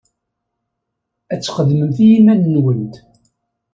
Ad txedmemt i yiman-nwent.